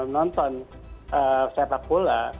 nonton setelah pola